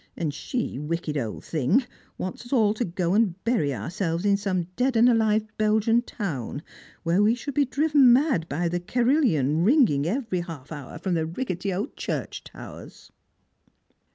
And she, wicked old thing, wants us all to go and bury ourselves in some dead and alive Belgian town, where we should be driven mad by the carillon ringing every half hour from the rickety old church towers."